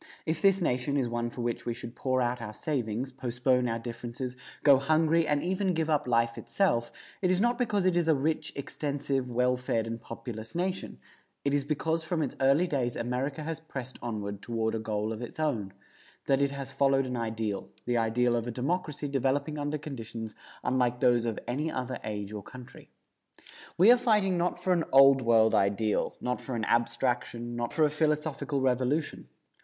If this nation is one for which we should pour out our savings, postpone our differences, go hungry, and even give up life itself, it is not because it is a rich, extensive, well fed and populous nation; it is because from its early days America has pressed onward toward a goal of its own; that it has followed an ideal, the ideal of a democracy developing under conditions unlike those of any other age or country. We are fighting not for an Old World ideal, not for an abstraction, not for a philosophical revolution.